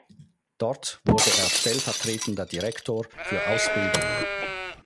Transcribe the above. Dort wurde er stellvertretender Direktor für Ausbildungen.